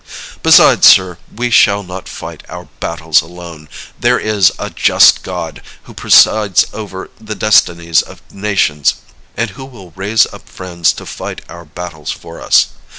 Besides, sir, we shall not fight our battles alone. There is a just God, who presides over the destinies of nations, and who will raise up friends to fight our battles for us.